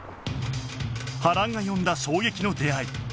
波乱が呼んだ衝撃の出会い